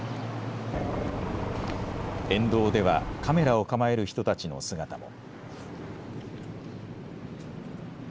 沿道ではカメラを構える人たちの姿も。